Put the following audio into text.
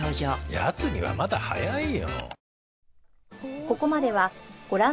やつにはまだ早いよ。